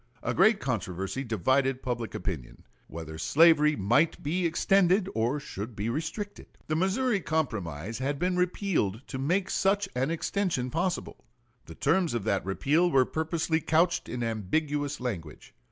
A great controversy divided public opinion, whether slavery might be extended or should be restricted. The Missouri Compromise had been repealed to make such an extension possible. The terms of that repeal were purposely couched in ambiguous language.